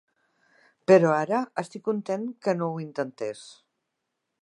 Però ara, estic content que no ho intentés.